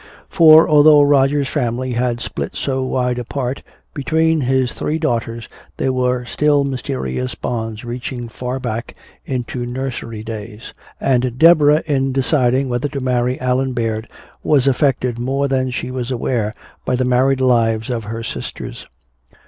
For although Roger's family had split so wide apart, between his three daughters there were still mysterious bonds reaching far back into nursery days. And Deborah in deciding whether to marry Allan Baird was affected more than she was aware by the married lives of her sisters.